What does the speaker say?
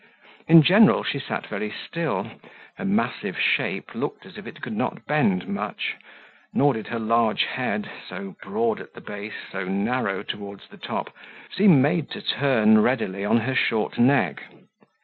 In general she sat very still; her massive shape looked as if it could not bend much, nor did her large head so broad at the base, so narrow towards the top seem made to turn readily on her short neck.